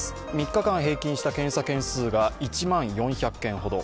３日間平均した検査件数が１万４００件ほど。